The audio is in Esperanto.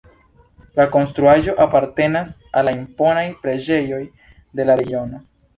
La konstruaĵo apartenas al la imponaj preĝejoj de la regiono.